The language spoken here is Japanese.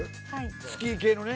スキー系のね。